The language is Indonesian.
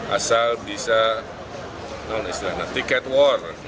asal bisa tiket war